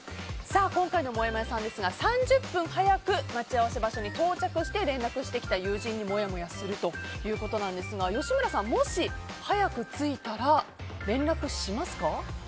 今回のもやもやさんですが３０分速く待ち合わせ場所に到着して連絡してきた友人にもやもやするということですが吉村さんもし、早く着いたら連絡しますか？